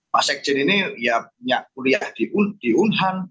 pak sekjen ini ya punya kuliah di unhan